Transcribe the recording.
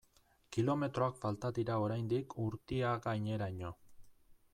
Kilometroak falta dira oraindik Urtiagaineraino.